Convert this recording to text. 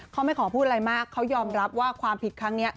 เขาไม่ขอพูดอะไรมากเขายอมรับว่าความผิดครั้งนี้